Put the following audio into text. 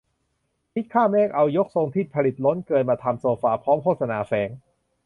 'คิดข้ามเมฆ' เอายกทรงที่ผลิตล้นเกินมาทำโซฟา พร้อมโฆษณาแฝง